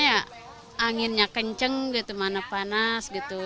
ya anginnya kenceng gitu mana panas gitu